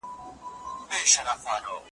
په تېر اختر کي لا هم پټ وم له سیالانو څخه ,